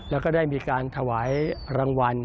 แล้วก็ได้มีการถวายรางวัล